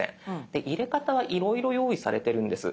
で入れ方はいろいろ用意されてるんです。